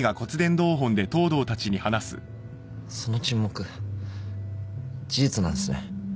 その沈黙事実なんすね。